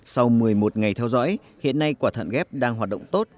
sau một mươi một ngày theo dõi hiện nay quả thận ghép đang hoạt động tốt